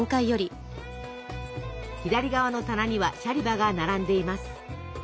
左側の棚にはシャリバが並んでいます。